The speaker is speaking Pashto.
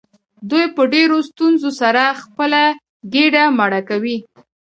دوی په ډیرو ستونزو سره خپله ګیډه مړه کوي.